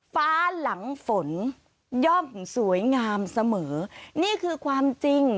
ฟ้าหลังฝนย่อมสวยงามเสมอนี่คือความจริง